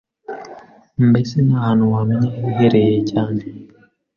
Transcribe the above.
Mbese nta hantu wamenya hiherereye cyane